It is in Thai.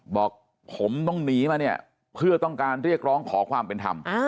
บอกผมต้องหนีมาเนี่ยเพื่อต้องการเรียกร้องขอความเป็นธรรม